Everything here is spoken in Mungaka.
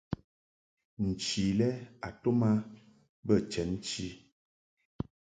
Nchi lɛ a tum a bə chenchi.